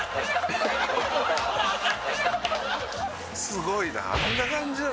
「すごいなあんな感じなの？」